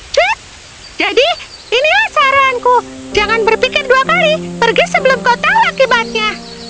cuk jadi inilah saranku jangan berpikir dua kali pergi sebelum kau tahu akibatnya